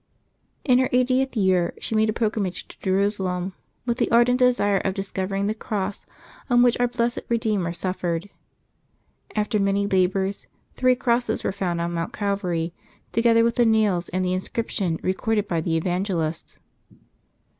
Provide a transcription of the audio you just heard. In her eightieth year she made a pilgrimage to Jerusalem, with the ardent desire of dis covering the cross on which our blessed Redeemer suffered. After many labors, three crosses were found on Mount Calvary, together with the nails and the inscription re corded by the Evangelists.